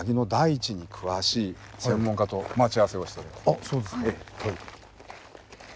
あっそうですか。